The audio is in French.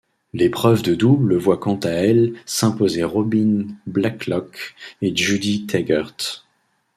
L'épreuve de double voit quant à elle s'imposer Robin Blakelock et Judy Tegart.